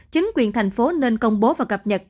chính quyền thành phố nên công bố và cập nhật